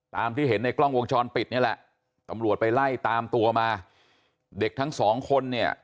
ตามที่เห็นในกล้องวงจรปิดนี่แหละตำรวจไปไล่ตามตัวมาเด็กทั้งสองคนเนี่ย